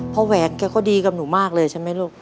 แหวนแกก็ดีกับหนูมากเลยใช่ไหมลูก